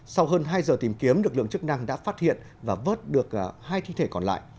sau hơn hai giờ tìm kiếm lực lượng chức năng đã phát hiện và vớt được hai thi thể còn lại